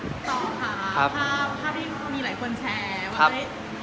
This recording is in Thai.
ต่อค่ะภาพที่มีหลายคนแชร์ว่า